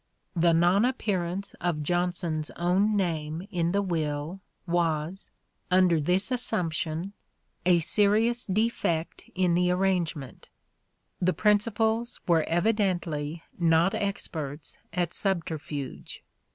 The non appearance of Jonson's own name in the will was, under this assumption, a serious defect in the arrangement : the principals were evidently not experts at subterfuge.